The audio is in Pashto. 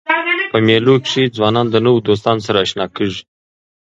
په مېلو کښي ځوانان د نوو دوستانو سره اشنا کېږي.